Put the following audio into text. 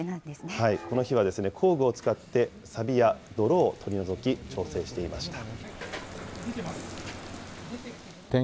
この日は工具を使って、さびや泥を取り除き、調整していました。